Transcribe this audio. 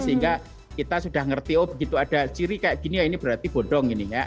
sehingga kita sudah ngerti oh begitu ada ciri kayak gini ya ini berarti bodoh